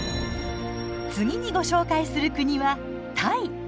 次にご紹介する国はタイ！